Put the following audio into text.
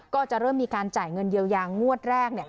ก็จะเริ่มมีการจ่ายเงินเยียวยางวดแรก